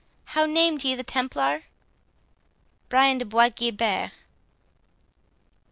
How named ye the Templar?" "Brian de Bois Guilbert."